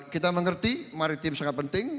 kita mengerti maritim sangat penting